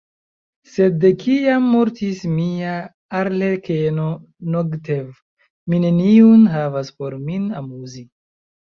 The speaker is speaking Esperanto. Sed de kiam mortis mia arlekeno Nogtev, mi neniun havas por min amuzi.